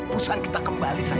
pusat kita kembali sayang